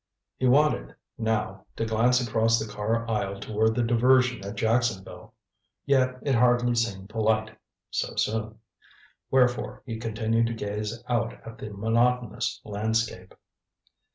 He wanted, now, to glance across the car aisle toward the diversion at Jacksonville. Yet it hardly seemed polite so soon. Wherefore he continued to gaze out at the monotonous landscape.